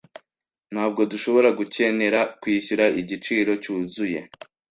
Ntabwo dushobora gukenera kwishyura igiciro cyuzuye.